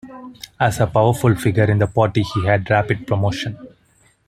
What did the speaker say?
As a powerful figure in the party he had rapid promotion.